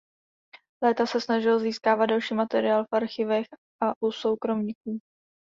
Léta se snažil získávat další materiál v archivech a u soukromníků.